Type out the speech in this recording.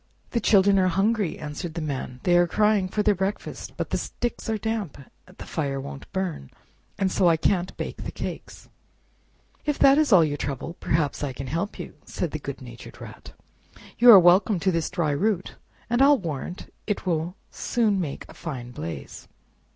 "The children are hungry," answered the Man; "they are crying for their breakfast, but the sticks are damp, the fire won't burn, and so I can't bake the cakes." "If that is all your trouble, perhaps I can help you," said the good natured Rat, "you are welcome to this dry root and I'll warrant it will soon make a fine blaze."